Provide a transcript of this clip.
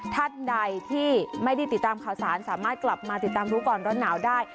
ท่านใดที่ไม่ได้ติดตามข่าวสารสามารถกลับมาติดตามรู้ก่อนร้อนหนาวได้